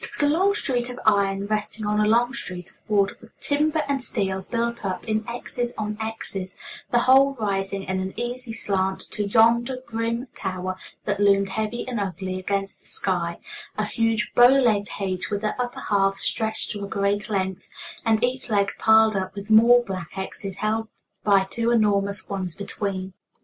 It was a long street of iron resting on a long street of wood, with timber and steel built up in X's on X's, the whole rising in an easy slant to yonder grim tower that loomed heavy and ugly against the sky, a huge bow legged H with the upper half stretched to a great length, and each leg piled up with more black X's held by two enormous ones between.